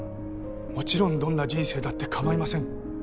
もちろんどんな人生だってかまいません。